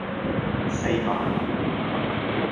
四萬